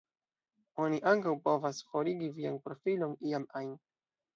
Oni ankaŭ povas "forigi" vian profilon iam ajn.